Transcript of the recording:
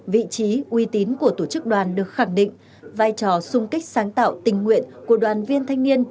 vị trí uy tín của tổ chức đoàn được khẳng định vai trò sung kích sáng tạo tình nguyện của đoàn viên thanh niên